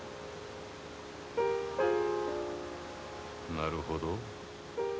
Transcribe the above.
なるほど。